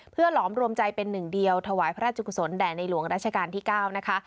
เพื่อหลอมรวมใจเป็นหนึ่งเดียวถวายพระราชกุศลแด่ในหลวงราชการที่๙นะคะ